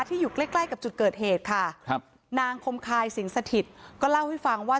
อยู่ใกล้ใกล้กับจุดเกิดเหตุค่ะครับนางคมคายสิงสถิตก็เล่าให้ฟังว่า